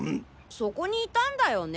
そこにいたんだよね？